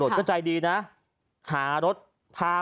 มีคนใจดีก็ตัดสินใจน